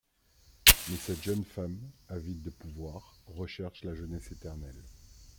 Mais cette jeune femme, avide de pouvoirs, recherche la jeunesse éternelle.